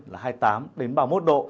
là hai mươi tám ba mươi một độ